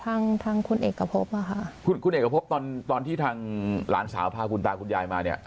ทางทางคุณเอกพบอ่ะค่ะคุณคุณเอกพบตอนตอนที่ทางหลานสาวพาคุณตาคุณยายมาเนี่ย